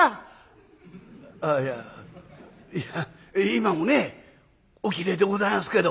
あっいやいや今もねおきれいでございますけど。